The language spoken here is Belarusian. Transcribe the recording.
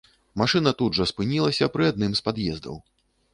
Машына тут жа спынілася пры адным з пад'ездаў.